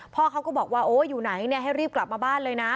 พ่อเขาก็บอกว่าโอ้อยู่ไหนให้รีบกลับมาบ้านเลยนะ